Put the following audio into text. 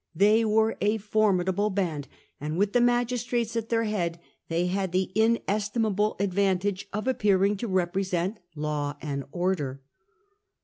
They were a formidable band, and, with the magistrates at their head, they had the inestimable advantage of appearing to represent law and order.